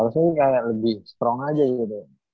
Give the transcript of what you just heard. maksudnya kayak lebih strong aja gitu